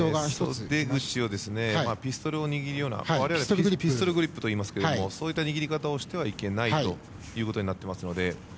ピストルを握るような我々、ピストルグリップというんですがそういった握り方をしてはいけないことになっていますので。